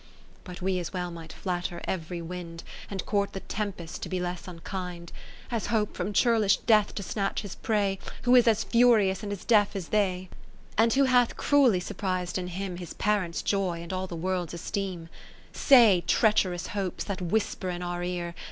But we as well might flatter every wind, And court the tempests to be less unkind. As hope from churlish Death to snatch his prey. Who is as furious and as deaf as they; And who hath cruelly surpris'd in him, His parents' joy^ and all the World's esteem. 30 Say, treacherous Hopes that whisper in our ear.